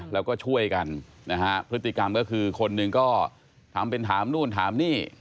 แล้วก็ช่วยกันนะฮะพฤติกรรมก็คือคนหนึ่งก็ทำเป็นถามนู่นถามนี่